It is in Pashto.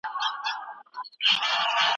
د دلارام سړکونه د تګ راتګ لپاره پوره چمتو سوي دي